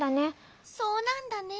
そうなんだね。